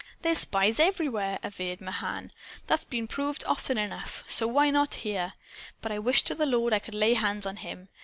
"There's spies everywhere," averred Mahan. "That's been proved often enough. So why not here? But I wish to the Lord I could lay hands on him!